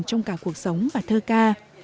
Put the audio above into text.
trong cả cuộc sống và thơ ca